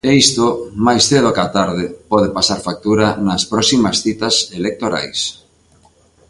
E isto, máis cedo ca tarde, pode pasar factura nas próximas citas electorais.